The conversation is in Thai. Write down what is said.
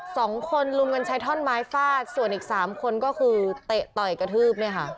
สองคนลุมกันใช้ท่อนไม้ฟาดส่วนอีกสามคนก็คือเตะต่อยกระทืบเนี่ยค่ะ